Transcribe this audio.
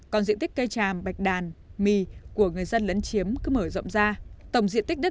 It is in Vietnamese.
còn diện tích cây tràm bạch đàn mì của người dân lấn chiếm cứ mở rộng ra